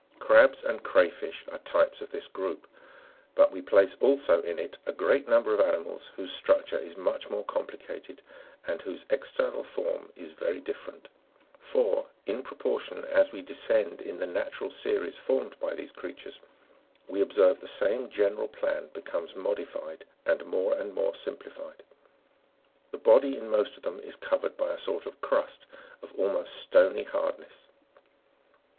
Crabs and cray fish are types of this group ; but we place also in it a great number of animals whose structure is much more complicated, and whose external form is very dif ferent; for, in proportion as we descend in the natural series formed by these creatures, we observe the same general plan becomes modified, and more and more simplified. The body in most of them is covered by a sort of crust of almost stony hard ness.